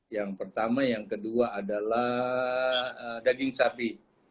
yang pertama yang kedua adalah daging sapi